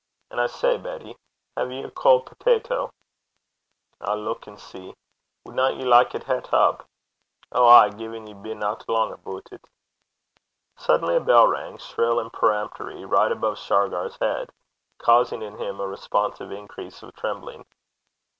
And I say, Betty, hae ye a cauld pitawta (potato)?' 'I'll luik and see. Wadna ye like it het up?' 'Ow ay, gin ye binna lang aboot it.' Suddenly a bell rang, shrill and peremptory, right above Shargar's head, causing in him a responsive increase of trembling.